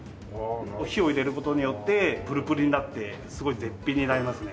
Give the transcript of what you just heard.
火を入れる事によってプルプルになってすごい絶品になりますね。